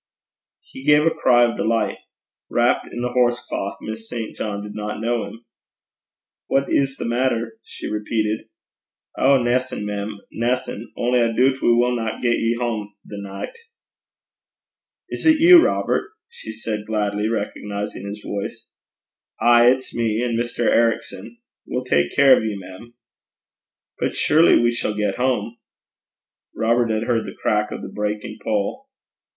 He gave a cry of delight. Wrapped in the horse cloth, Miss St. John did not know him. 'What is the matter?' she repeated. 'Ow, naething, mem naething. Only I doobt we winna get ye hame the nicht.' 'Is it you, Robert?' she said, gladly recognizing his voice. 'Ay, it's me, and Mr. Ericson. We'll tak care o' ye, mem.' 'But surely we shall get home!' Robert had heard the crack of the breaking pole.